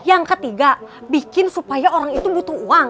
yang ketiga bikin supaya orang itu butuh uang